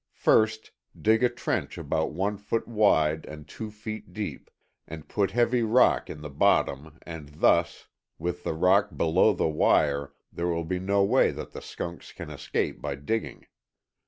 First, dig a trench about one foot wide and two feet deep, and put heavy rock in the bottom and thus, with the rock below the wire there will be no way that the skunks can escape by digging.